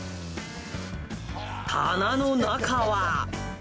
棚の中は。